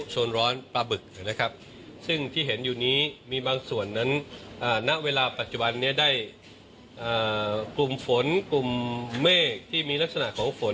เชิญเลยค่ะค่ะ